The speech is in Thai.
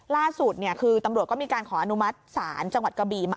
ล่าสุดคือตำรวจก็มีการขออนุมัติศาลจังหวัดกะบี่มา